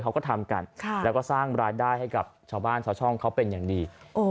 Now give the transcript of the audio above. เขาก็ทำกันแล้วก็สร้างรายได้ให้กับชาวบ้านชาวช่องเขาเป็นอย่างดี